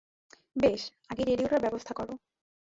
বেশ, আগে রেডিয়োটার ব্যবস্থা করো।